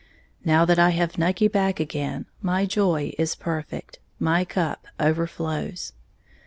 Now that I have Nucky back again, my joy is perfect, my cup overflows.